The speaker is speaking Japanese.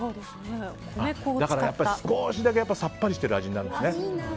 だから少しだけさっぱりしてる味になるんですね。